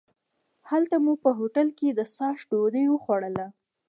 هلته مو په هوټل کې د څاښت ډوډۍ وخوړله.